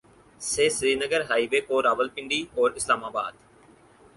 سے Srinagar highway کو راولپنڈی اور اسلام آباد